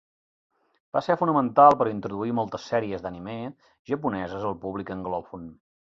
Va ser fonamental per introduir moltes sèries d'anime japoneses al públic anglòfon.